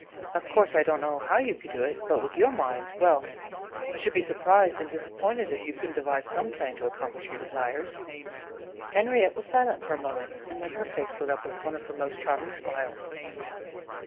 Of course I don't know how you could do it, but with your mind well, I should be surprised and disappointed if you couldn't devise some plan to accomplish your desires." Henriette was silent for a moment, and then her face lit up with one of her most charming smiles.